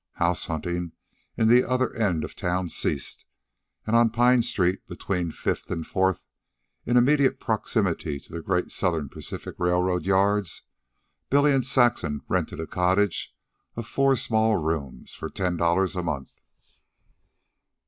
House hunting in the other end of town ceased, and on Pine Street, between Fifth and Fourth, and in immediate proximity to the great Southern Pacific railroad yards, Billy and Saxon rented a neat cottage of four small rooms for ten dollars a month.